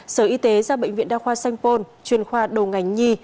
sở y tế ra bệnh viện đa khoa saint paul chuyên khoa đầu ngành nhi